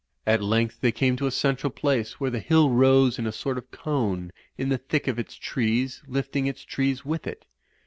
At length they came to a central place where the hill rose in a sort of cone in the thick of its trees, lifting its trees with it.